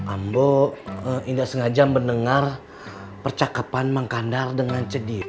ambo ndak sengaja mendengar percakapan mangkandar dengan cedih